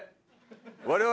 我々。